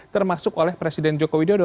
termasuk oleh presiden joko widodo